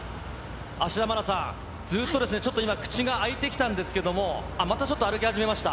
芦田愛菜さん、ずっとですね、ちょっと今、口が開いてきたんですけれども、またちょっと歩き始めました。